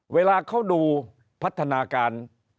เวลาเขาดูพัฒนาการ